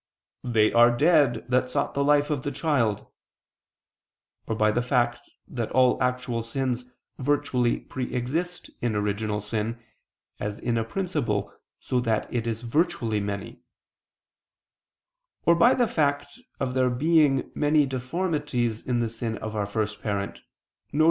"They are dead that sought the life of the child"; or by the fact that all actual sins virtually pre exist in original sin, as in a principle so that it is virtually many; or by the fact of there being many deformities in the sin of our first parent, viz.